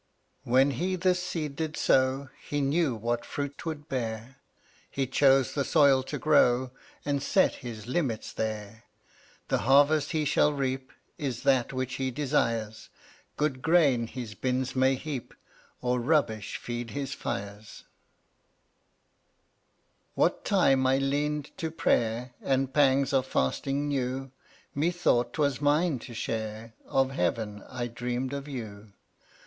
112 When He this seed did sow He knew what fruit 'twould bear; He chose the soil to grow And set His limits there. Ehe harvest He shall reap Is that which He desires; Good grain His bins may heap Or rubbish feed His fires. sung 113 What time I leaned to prayer (ftfttA? And pangs of fasting knew, ^ Methought 'twas mine to share (JvC/ Of heaven: I dreamed of you.